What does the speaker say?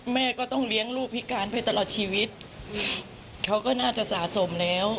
แม่ก็ต้องเลี้ยงลูกพิการไปตลอดชีวิตเขาก็น่าจะสะสมแล้ว